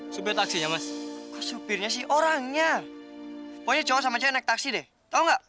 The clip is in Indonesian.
sudah taksinya mas supirnya sih orangnya poin cowok sama cek taksi deh tahu nggak